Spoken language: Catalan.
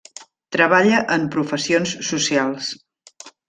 Treballa en professions socials.